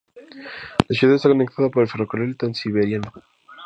La ciudad está conectada por el ferrocarril Transiberiano.